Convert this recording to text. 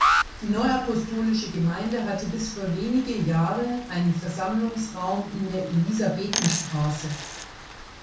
Die Neuapostolische Gemeinde hatte bis vor wenige Jahre einen Versammlungsraum in der Elisabethenstraße.